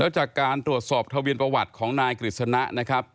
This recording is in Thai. จากการตรวจสอบทะเวียนประวัติของนายกฤษณะนะครับ